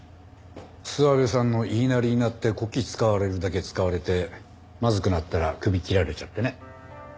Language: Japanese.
諏訪部さんの言いなりになってこき使われるだけ使われてまずくなったらクビ切られちゃってね。